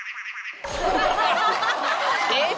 えっ？